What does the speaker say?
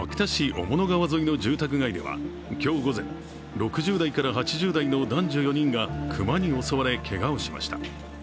雄物川沿いの住宅街では今日午前、６０代から８０代の男女４人が熊に襲われけがをしました。